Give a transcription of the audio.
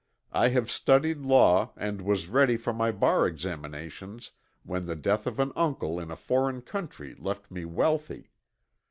I have studied law and was ready for my bar examinations when the death of an uncle in a foreign country left me wealthy.